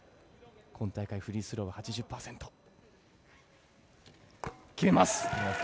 今大会、フリースロー、８０％。決めます！